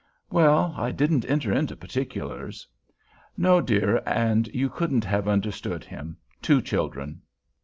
"Well, I didn't enter into particulars." "No, dear, and you couldn't have understood him. Two children."